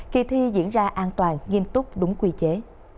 kỳ thi diễn ra an toàn nghiêm túc đúng quy chế